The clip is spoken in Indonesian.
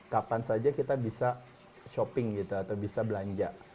kapan saja kita bisa shopping gitu atau bisa belanja